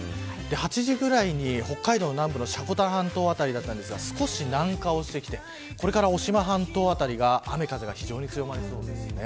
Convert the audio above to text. ８時ぐらいに北海道南部の積丹半島辺りだったんですが少し南下をしてきてこれから渡島半島辺りが雨、風が非常に強まります。